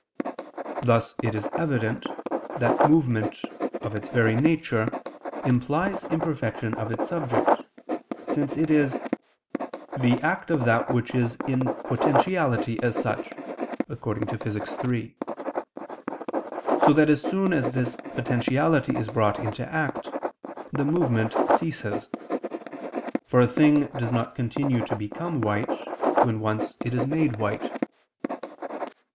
Thus it is evident that movement of its very nature implies imperfection of its subject, since it is "the act of that which is in potentiality as such" (Phys. iii): so that as soon as this potentiality is brought into act, the movement ceases; for a thing does not continue to become white, when once it is made white.